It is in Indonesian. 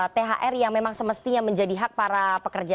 thr yang memang semestinya menjadi hak para pekerja